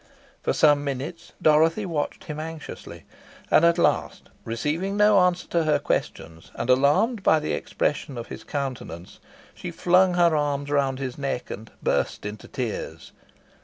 For some minutes Dorothy watched him anxiously, and at last receiving no answer to her questions, and alarmed by the expression of his countenance, she flung her arms round his neck, and burst into tears.